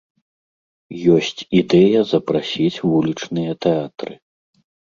Ёсць ідэя запрасіць вулічныя тэатры.